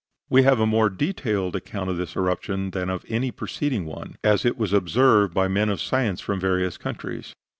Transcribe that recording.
We have a more detailed account of this eruption than of any preceding one, as it was observed by men of science from various countries.